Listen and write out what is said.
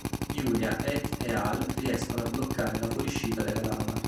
Julia, Ed e Al riescono a bloccare la fuoriuscita della lava.